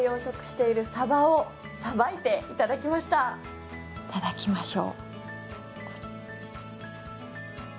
いただきましょう。